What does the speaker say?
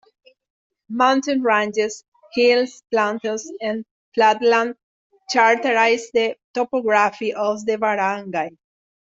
Mountain ranges, hills, plateaus, and flatland characterize the topography of the barangay.